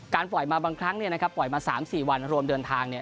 การปล่อยมาบางครั้งปล่อยมา๓๔วันรวมเดือนทาง